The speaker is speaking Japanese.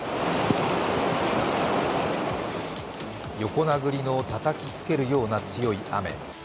横殴りのたたきつけるような強い雨。